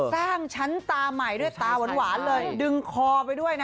สร้างชั้นตาใหม่ด้วยตาหวานเลยดึงคอไปด้วยนะ